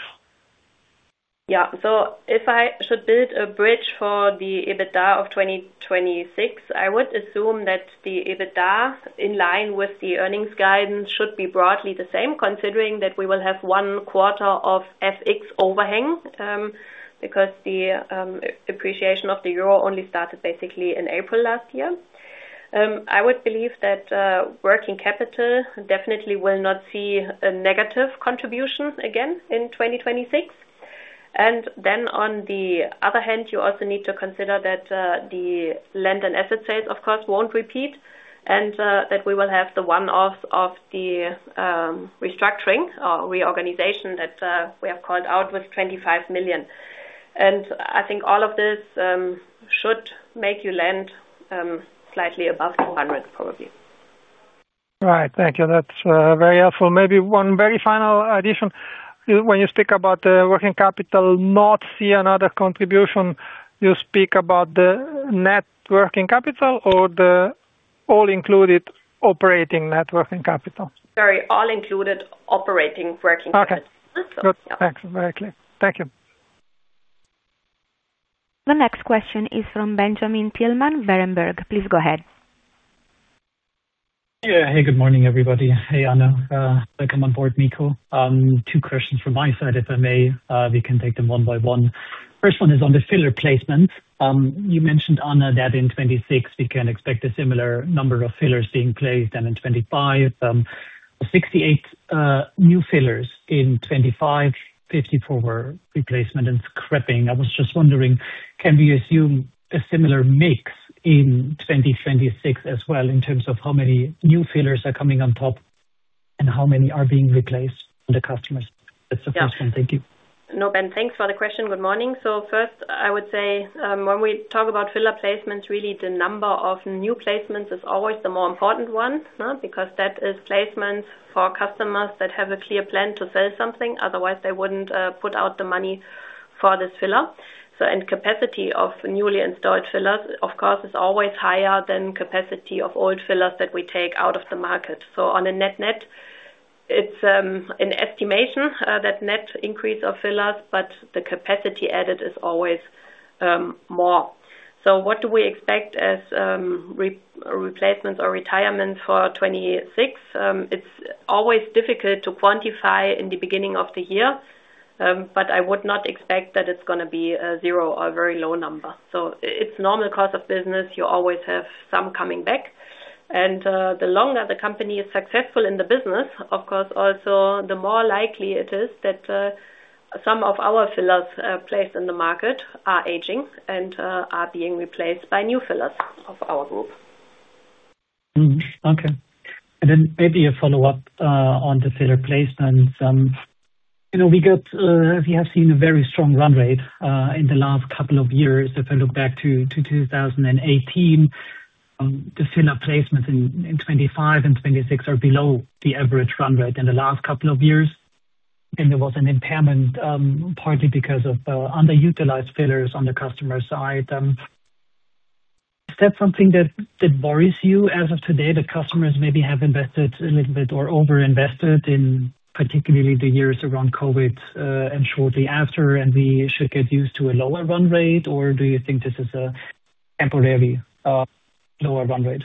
If I should build a bridge for the EBITDA of 2026, I would assume that the EBITDA, in line with the earnings guidance, should be broadly the same, considering that we will have one quarter of FX overhang, because the appreciation of the euro only started basically in April last year. I would believe that working capital definitely will not see a negative contribution again in 2026. On the other hand, you also need to consider that the land and asset sales, of course, won't repeat, and that we will have the one-off of the restructuring or reorganization that we have called out with 25 million. I think all of this should make you land slightly above 100, probably. All right. Thank you. That's very helpful. Maybe one very final addition. When you speak about the working capital not see another contribution, you speak about the net working capital or the all included operating net working capital? Very all included operating working capital. Okay. Thanks, very clear. Thank you. The next question is from Benjamin Thielmann, Berenberg. Please go ahead. Yeah. Hey, good morning, everybody. Hey, Ann. Welcome on board, Mikko. Two questions from my side, if I may. We can take them one by one. First one is on the filler placement. You mentioned, Ann, that in 2026 we can expect a similar number of fillers being placed, and in 2025, 68 new fillers in 2025, 54 were replacement and scrapping. I was just wondering, can we assume a similar mix in 2026 as well in terms of how many new fillers are coming on top and how many are being replaced by the customers? That's the first one. Thank you. No, Ben, thanks for the question. Good morning. First, I would say, when we talk about filler placements, really the number of new placements is always the more important one, huh? Because that is placements for customers that have a clear plan to sell something, otherwise they wouldn't put out the money for this filler. And capacity of newly installed fillers, of course, is always higher than capacity of old fillers that we take out of the market. On a net-net, it's an estimation that net increase of fillers, but the capacity added is always more. What do we expect as re-replacement or retirement for 2026? It's always difficult to quantify in the beginning of the year, but I would not expect that it's gonna be a zero or very low number. It's normal course of business. You always have some coming back. The longer the company is successful in the business, of course, also the more likely it is that, some of our fillers, placed in the market are aging and, are being replaced by new fillers of our Group. Okay. Then maybe a follow-up on the filler placement. you know, we have seen a very strong run rate in the last couple of years. If I look back to 2018, the filler placements in 2025 and 2026 are below the average run rate in the last couple of years. There was an impairment, partly because of underutilized fillers on the customer side. Is that something that worries you as of today? The customers maybe have invested a little bit or over-invested in particularly the years around COVID and shortly after, and we should get used to a lower run rate, or do you think this is a temporarily lower run rate?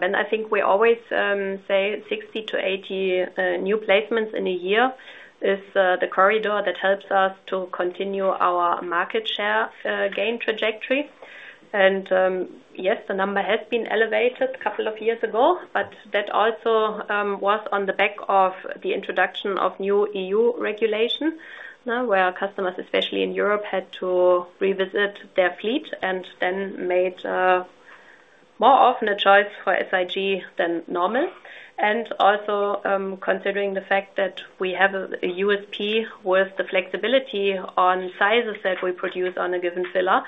Ben, I think we always say 60-80 new placements in a year is the corridor that helps us to continue our market share gain trajectory. Yes, the number has been elevated couple of years ago, but that also was on the back of the introduction of new EU regulation, where our customers, especially in Europe, had to revisit their fleet and then made more often a choice for SIG than normal. Also, considering the fact that we have a USP with the flexibility on sizes that we produce on a given filler,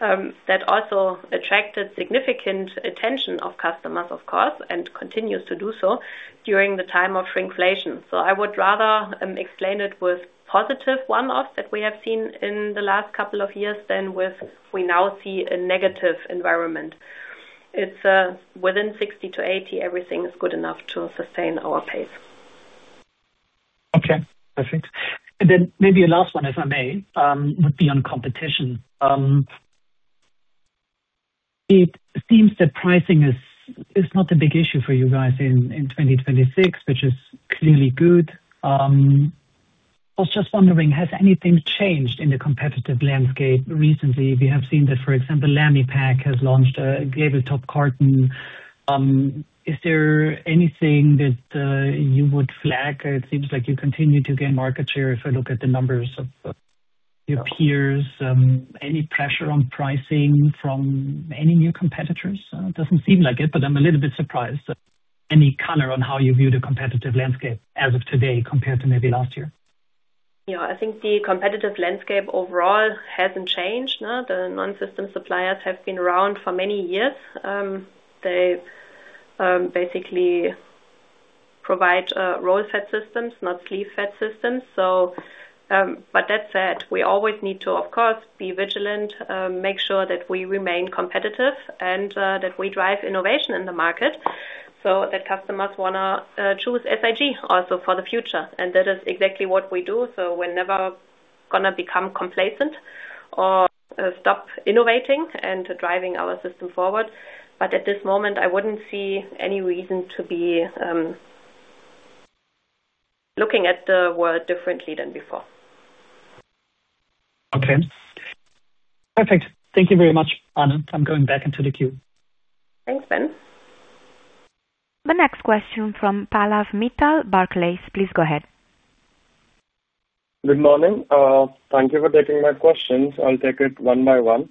that also attracted significant attention of customers, of course, and continues to do so during the time of shrinkflation. I would rather explain it with positive one-offs that we have seen in the last couple of years than with we now see a negative environment. It's within 60-80, everything is good enough to sustain our pace. Okay. Perfect. Then maybe a last one, if I may, would be on competition. It seems that pricing is not a big issue for you guys in 2026, which is clearly good. I was just wondering, has anything changed in the competitive landscape recently? We have seen that, for example, Lamipak has launched a gable top carton. Is there anything that you would flag? It seems like you continue to gain market share if I look at the numbers of your peers. Any pressure on pricing from any new competitors? It doesn't seem like it, but I'm a little bit surprised. Any color on how you view the competitive landscape as of today compared to maybe last year? I think the competitive landscape overall hasn't changed. The non-system suppliers have been around for many years. They basically provide roll fed systems, not sleeve fed systems. That said, we always need to, of course, be vigilant, make sure that we remain competitive and that we drive innovation in the market so that customers want to choose SIG also for the future. That is exactly what we do. We're never gonna become complacent or stop innovating and driving our system forward. At this moment, I wouldn't see any reason to be looking at the world differently than before. Okay. Perfect. Thank you very much, Ann. I'm going back into the queue. Thanks, Ben. The next question from Pallav Mittal, Barclays, please go ahead. Good morning. Thank you for taking my questions. I'll take it one by one.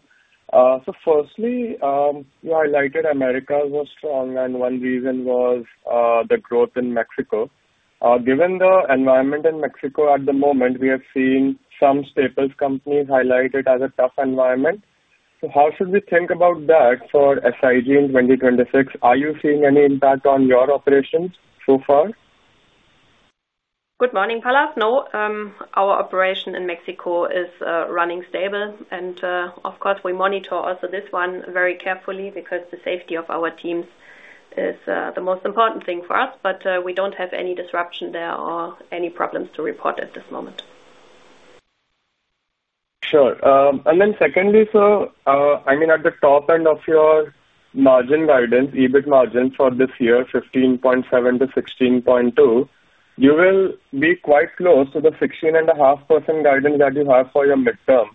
Firstly, you highlighted Americas was strong and one reason was the growth in Mexico. Given the environment in Mexico at the moment, we have seen some staples companies highlight it as a tough environment. How should we think about that for SIG in 2026? Are you seeing any impact on your operations so far? Good morning, Pallav. No, our operation in Mexico is running stable. Of course, we monitor also this one very carefully because the safety of our teams is the most important thing for us. We don't have any disruption there or any problems to report at this moment. Sure. Secondly, at the top end of your margin guidance, EBIT margin for this year, 15.7%-16.2%, you will be quite close to the 16.5% guidance that you have for your midterm.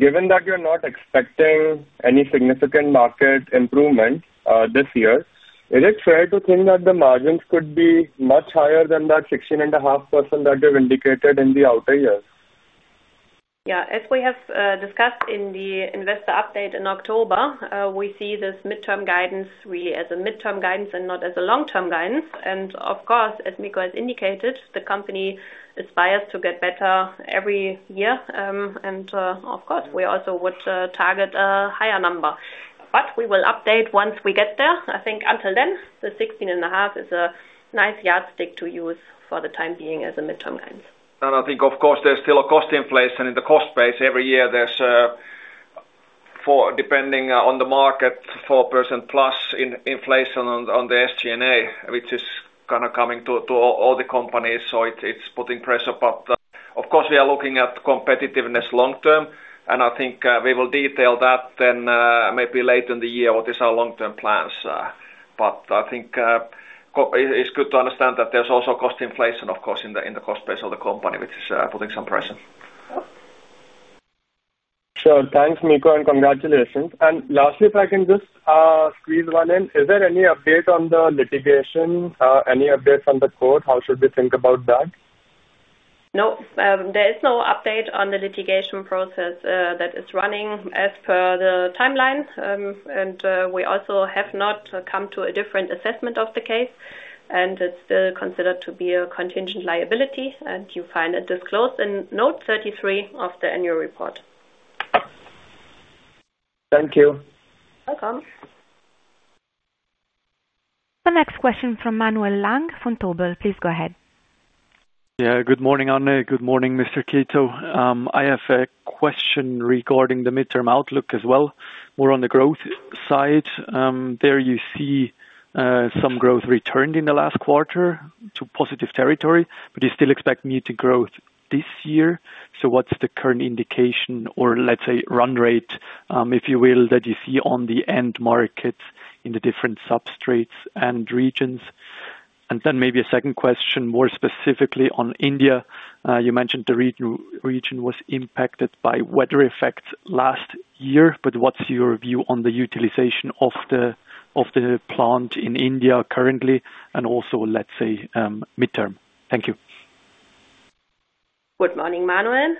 Given that you're not expecting any significant market improvement this year, is it fair to think that the margins could be much higher than that 16.5% that you've indicated in the outer years? Yeah. As we have discussed in the Investor Update in October, we see this midterm guidance really as a midterm guidance and not as a long-term guidance. Of course, as Mikko has indicated, the company aspires to get better every year. Of course, we also would target a higher number. We will update once we get there. I think until then, the 16.5 is a nice yardstick to use for the time being as a midterm guidance. I think, of course, there's still a cost inflation in the cost base. Every year, there's, depending on the market, 4%+ in inflation on the SG&A, which is kinda coming to all the companies. It's putting pressure. Of course, we are looking at competitiveness long term, and I think, we will detail that then, maybe later in the year what is our long-term plans. I think, it's good to understand that there's also cost inflation, of course, in the cost base of the company, which is putting some pressure. Sure. Thanks, Mikko, and congratulations. Lastly, if I can just squeeze one in? Is there any update on the litigation? Any updates on the court? How should we think about that? No. There is no update on the litigation process, that is running as per the timeline. We also have not come to a different assessment of the case, and it's still considered to be a contingent liability, and you find it disclosed in note 33 of the annual report. Thank you. Welcome. The next question from Manuel Lang, from Vontobel. Please go ahead. Yeah. Good morning, Ann. Good morning, Mr. Keto. I have a question regarding the midterm outlook as well. More on the growth side. There you see some growth returned in the last quarter to positive territory, but you still expect muted growth this year. What's the current indication or let's say run rate, if you will, that you see on the end market in the different substrates and regions? Maybe a second question more specifically on India. You mentioned the region was impacted by weather effects last year, but what's your view on the utilization of the plant in India currently and also let's say, midterm? Thank you. Good morning, Manuel.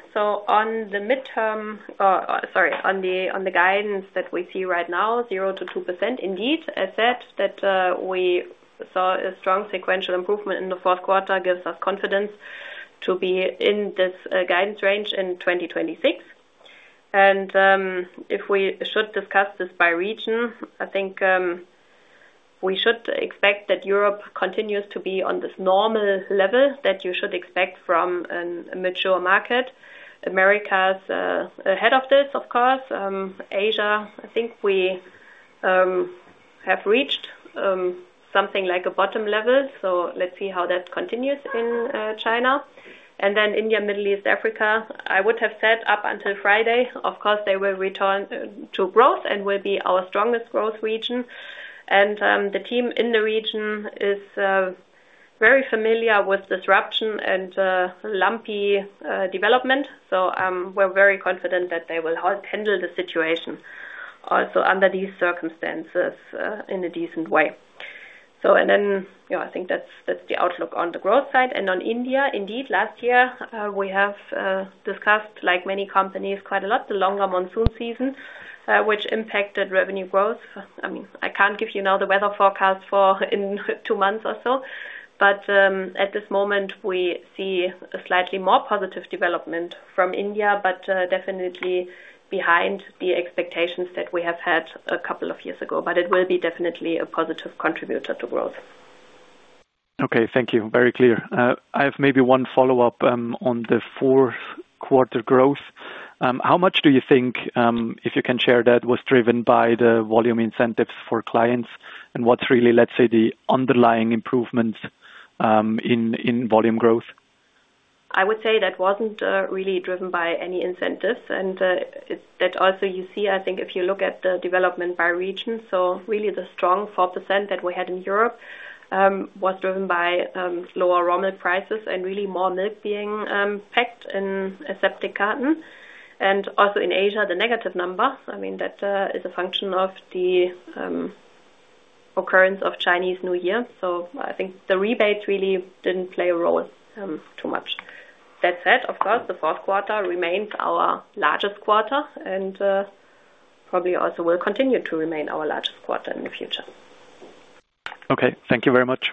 On the midterm or sorry, on the, on the guidance that we see right now, 0%-2% indeed, as said, that we saw a strong sequential improvement in the fourth quarter gives us confidence to be in this guidance range in 2026. If we should discuss this by region, I think we should expect that Europe continues to be on this normal level that you should expect from a mature market. America's ahead of this, of course. Asia, I think we have reached something like a bottom level. Let's see how that continues in China. Then India, Middle East, Africa, I would have said up until Friday, of course, they will return to growth and will be our strongest growth region. The team in the region is very familiar with disruption and lumpy development. We're very confident that they will help handle the situation also under these circumstances in a decent way. You know, I think that's the outlook on the growth side. On India, indeed, last year, we have discussed, like many companies, quite a lot, the longer monsoon season, which impacted revenue growth. I mean, I can't give you now the weather forecast for in two months or so, but at this moment, we see a slightly more positive development from India, but definitely behind the expectations that we have had a couple of years ago. It will be definitely a positive contributor to growth. Okay, thank you. Very clear. I have maybe one follow-up on the fourth quarter growth. How much do you think, if you can share that, was driven by the volume incentives for clients? What's really, let's say, the underlying improvements in volume growth? I would say that wasn't really driven by any incentives. That also you see, I think if you look at the development by region. Really the strong 4% that we had in Europe was driven by lower raw milk prices and really more milk being packed in aseptic carton. Also in Asia, the negative number. I mean, that is a function of the occurrence of Chinese New Year. I think the rebates really didn't play a role too much. That said, of course, the fourth quarter remains our largest quarter and probably also will continue to remain our largest quarter in the future. Okay, thank you very much.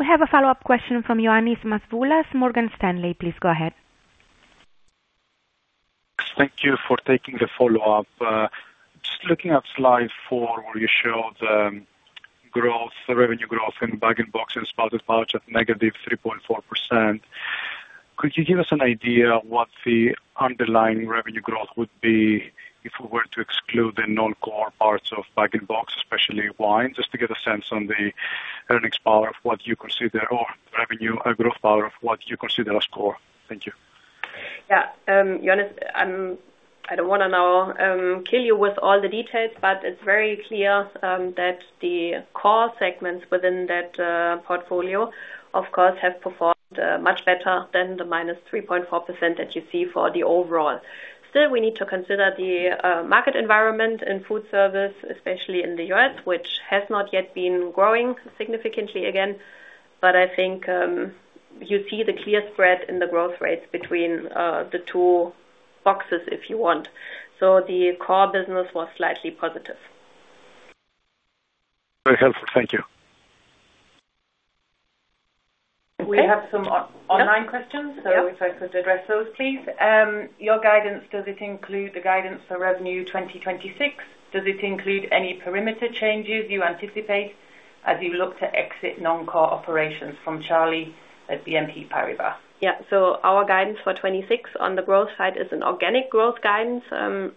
We have a follow-up question from Ioannis Masvoulas, Morgan Stanley. Please go ahead. Thank you for taking the follow-up. Just looking at slide 4 where you show the growth, the revenue growth in bag and boxes, pouch at -3.4%. Could you give us an idea what the underlying revenue growth would be if we were to exclude the non-core parts of bag and box, especially wine, just to get a sense on the earnings power of what you consider or revenue growth power of what you consider as core? Thank you. Ioannis, I don't want to now kill you with all the details, but it's very clear that the core segments within that portfolio, of course, have performed much better than the -3.4% that you see for the overall. We need to consider the market environment in food service, especially in the U.S., which has not yet been growing significantly again. I think you see the clear spread in the growth rates between the two boxes, if you want. The core business was slightly positive. Very helpful. Thank you. Okay. We have some online questions. Yep. If I could address those, please. "Your guidance, does it include the guidance for revenue 2026? Does it include any perimeter changes you anticipate as you look to exit non-core operations?" From Charlie at BNP Paribas. Our guidance for 2026 on the growth side is an organic growth guidance.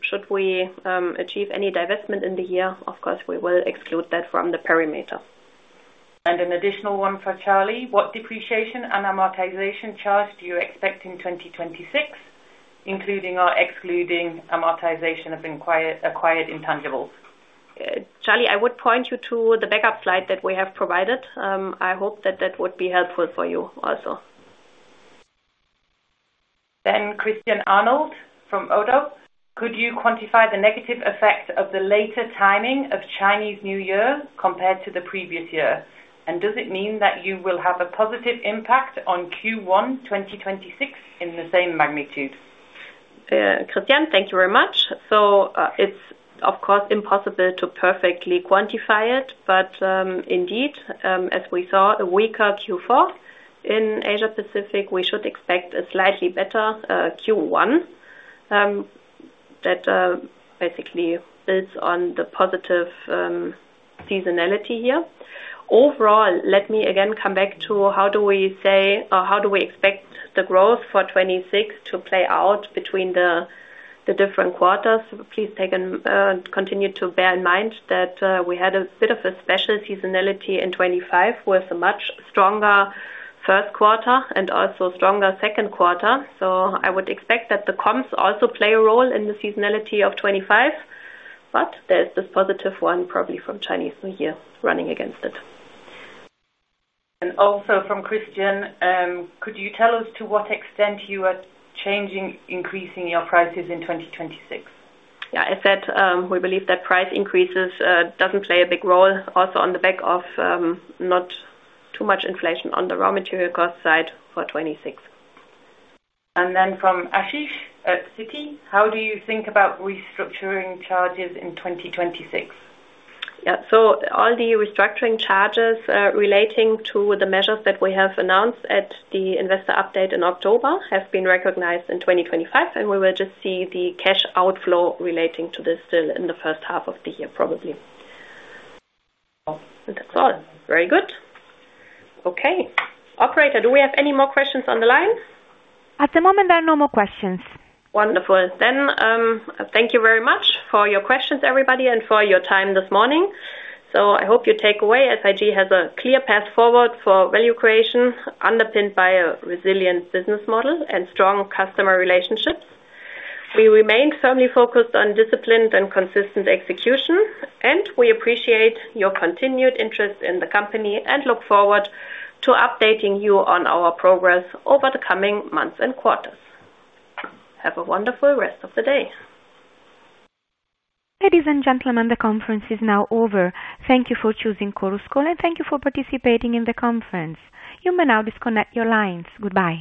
Should we achieve any divestment in the year, of course, we will exclude that from the perimeter. An additional one for Charlie. "What depreciation and amortization charge do you expect in 2026, including or excluding amortization of acquired intangibles?" Charlie, I would point you to the backup slide that we have provided. I hope that that would be helpful for you also. Christian Arnold from ODDO BHF. "Could you quantify the negative effect of the later timing of Chinese New Year compared to the previous year? Does it mean that you will have a positive impact on Q1 2026 in the same magnitude?" Christian, thank you very much. It's of course impossible to perfectly quantify it, but indeed, as we saw a weaker Q4 in Asia-Pacific, we should expect a slightly better Q1, that basically builds on the positive seasonality here. Overall, let me again come back to how do we say or how do we expect the growth for 2026 to play out between the different quarters. Please take and continue to bear in mind that we had a bit of a special seasonality in 2025 with a much stronger first quarter and also stronger second quarter. I would expect that the comps also play a role in the seasonality of 2025, but there's this positive one probably from Chinese New Year running against it. Also from Christian, "Could you tell us to what extent you are changing, increasing your prices in 2026?" Yeah. As said, we believe that price increases, doesn't play a big role also on the back of, not too much inflation on the raw material cost side for 2026. Andthen, from Ashish at Citi. "How do you think about restructuring charges in 2026?" Yeah. All the restructuring charges relating to the measures that we have announced at the Investor Update in October have been recognized in 2025, and we will just see the cash outflow relating to this still in the first half of the year, probably. That's all. Very good. Okay. Operator, do we have any more questions on the line? At the moment, there are no more questions. Wonderful. Thank you very much for your questions, everybody, and for your time this morning. I hope you take away SIG has a clear path forward for value creation underpinned by a resilient business model and strong customer relationships. We remain firmly focused on disciplined and consistent execution. We appreciate your continued interest in the company and look forward to updating you on our progress over the coming months and quarters. Have a wonderful rest of the day. Ladies and gentlemen, the conference is now over. Thank you for choosing Chorus Call, and thank you for participating in the conference. You may now disconnect your lines. Goodbye.